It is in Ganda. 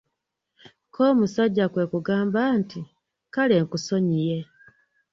Ko omusajja kwe kugamba nti, "kale nkusonyiye."